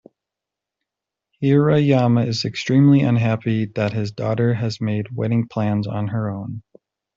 Hirayama is extremely unhappy that his daughter has made wedding plans on her own.